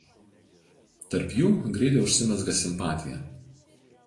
Tarp jų greitai užsimezga simpatija.